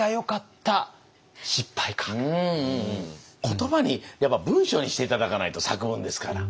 言葉にやっぱ文章にして頂かないと作文ですから。